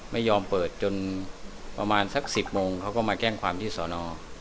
ไม่ยอมเปิดจนประมาณสัก๑๐โมงเขาก็มาแจ้งความที่สอนอ